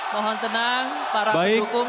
mohon tenang para pendukung